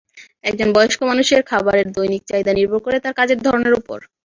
একজন বয়স্ক মানুষের খাবারের দৈনিক চাহিদা নির্ভর করে তাঁর কাজের ধরনের ওপর।